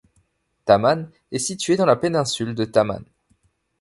Taman est située dans la péninsule de Taman.